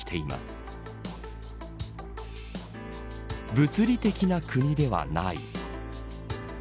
物理的な国ではない。